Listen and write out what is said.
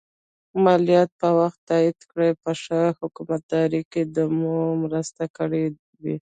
مالیات په وخت تادیه کړئ په ښه حکومتدارۍ کې به مو مرسته کړي وي.